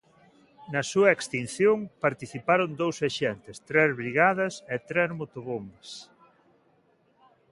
Na súa extinción, participaron dous axentes, tres brigadas e tres motobombas.